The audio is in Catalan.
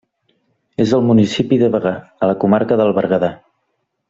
És al municipi de Bagà, a la comarca del Berguedà.